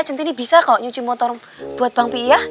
centini bisa kok nyuji motor buat bang pih ya